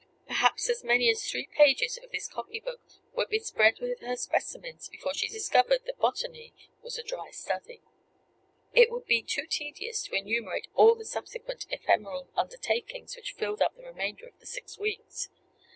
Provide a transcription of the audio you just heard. Perhaps as many as three pages of this copy book were bespread with her specimens before she discovered that botany was a dry study. It would be too tedious to enumerate all the subsequent ephemeral undertakings which filled up the remainder of the six weeks.